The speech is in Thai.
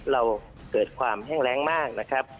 เราเกิดความแห้งแรงมากนะครับ